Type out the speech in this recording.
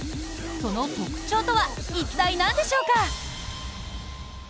その特徴とは一体、なんでしょうか？